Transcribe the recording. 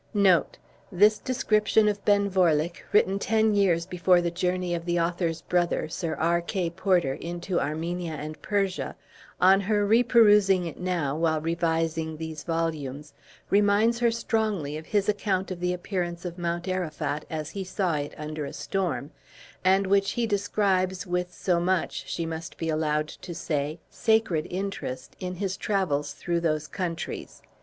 This description of Ben Vorlich, written ten years before the journey of the author's brother, Sir. R. K. Porter, into Armenia and Persia, on her reperusing it now, while revising these volumes, reminds her strongly of his account of the appearance of Mount Arafat, as he saw it under a storm, and which he describes with so much, she must be allowed to say, sacred interest, in his travels through those countries.